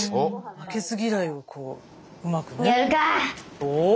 負けず嫌いをこううまくね。